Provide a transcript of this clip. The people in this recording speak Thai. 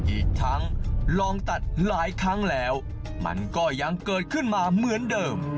อีกทั้งลองตัดหลายครั้งแล้วมันก็ยังเกิดขึ้นมาเหมือนเดิม